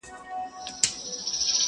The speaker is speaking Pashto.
نه وزیر نه سلاکار یمه زما وروره،